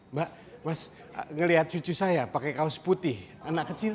mbak mas ngelihat cucu saya pakai kaos putih anak kecil